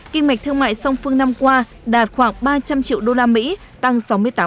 kinh mạch thương mại song phương năm qua đạt khoảng ba trăm linh triệu usd tăng sáu mươi tám